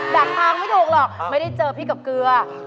ดักทางไม่ถูกหรอกไม่ได้เจอพี่กับเกลือ